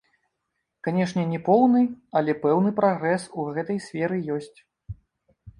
Канешне, не поўны, але пэўны прагрэс у гэтай сферы ёсць.